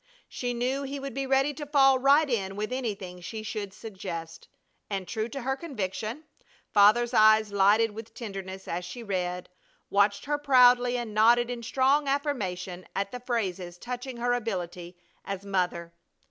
She knew he would be ready to fall right in with anything she should suggest. And, true to her conviction, Father's eyes lighted with tenderness as she read, watched her proudly and nodded in strong affirmation at the phrases touching her ability as mother.